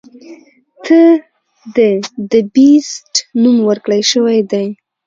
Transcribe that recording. ته د “The Beast” نوم ورکړے شوے دے.